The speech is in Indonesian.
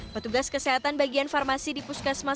petugas kesehatan bagian farmasi di puskesmas